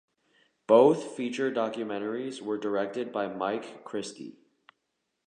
Both feature documentaries were directed by Mike Christie.